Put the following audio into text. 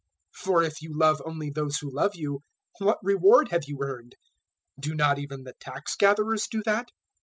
005:046 For if you love only those who love you, what reward have you earned? Do not even the tax gatherers do that?